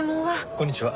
こんにちは。